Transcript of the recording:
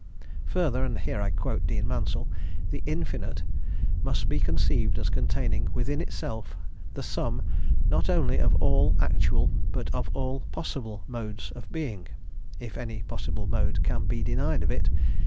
Further and here I quote Dean Mansel the "Infinite" must be conceived as containing within itself the sum, not only of all actual, but of all possible modes of being.... If any possible mode can be denied of it...